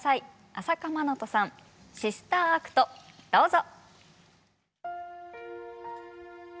朝夏まなとさん「ＳｉｓｔｅｒＡｃｔ」どうぞ。